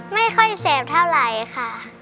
ไม่ค่อยแสบเท่าไหร่ค่ะ